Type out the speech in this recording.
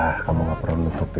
rasa kamu gak perlu nutupin